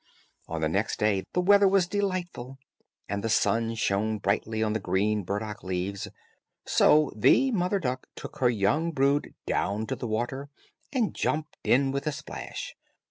On the next day the weather was delightful, and the sun shone brightly on the green burdock leaves, so the mother duck took her young brood down to the water, and jumped in with a splash.